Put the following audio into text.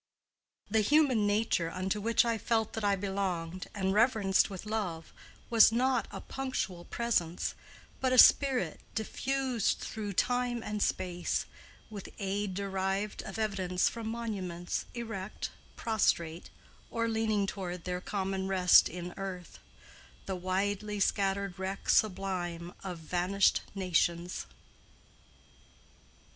"The human nature unto which I felt That I belonged, and reverenced with love, Was not a punctual presence, but a spirit Diffused through time and space, with aid derived Of evidence from monuments, erect, Prostrate, or leaning toward their common rest In earth, the widely scattered wreck sublime Of vanished nations."